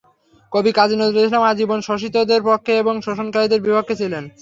কবি কাজী নজরুল ইসলাম আজীবন শোষিতদের পক্ষে এবং শোষণকারীদের বিপক্ষে ছিলেন।